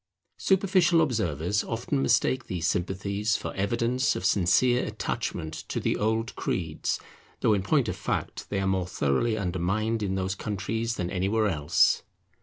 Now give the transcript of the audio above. Superficial observers often mistake these sympathies for evidence of sincere attachment to the old creeds, though in point of fact they are more thoroughly undermined in those countries than anywhere else.